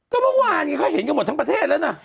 ก็เมื่อวานเขาเห็นกันหมดทั้งประเทศแล้วนะ